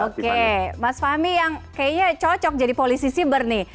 oke mas fahmi yang kayaknya cocok jadi polisi siber nih